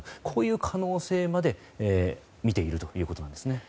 こういう可能性まで見ているということなんです。